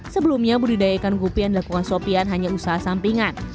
sebelumnya budidaya ikan gupi yang dilakukan sopian hanya usaha sampingan